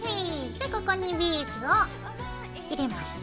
じゃあここにビーズを入れます。